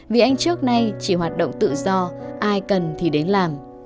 vì anh trước nay chỉ hoạt động tự do ai cần thì đến làm